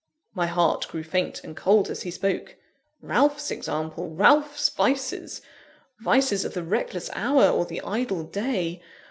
My heart grew faint and cold as he spoke. Ralph's example! Ralph's vices! vices of the reckless hour, or the idle day!